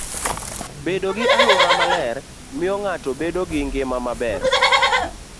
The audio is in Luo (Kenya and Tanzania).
Bedo gi alwora maler miyo ng'ato bedo gi ngima maber.